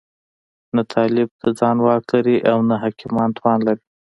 نه طالب د ځان واک لري او نه حاکمان توان لري.